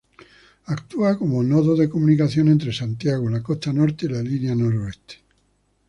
Actúa como nodo de comunicación entre Santiago, la costa norte y la Línea Noroeste.